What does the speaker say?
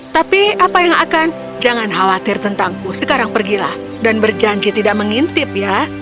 tapi apa yang akan jangan khawatir tentangku sekarang pergilah dan berjanji tidak mengintip ya